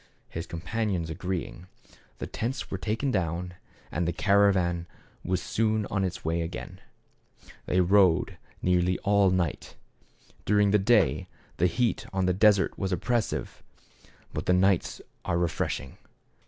His companions 106 THE CAB AVAN. agreeing, the tents were taken down, and the caravan was soon on its way again. They rode nearly all night. During the day the heat on the desert is oppressive, but the nights are refreshing.